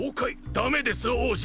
ダメです王子！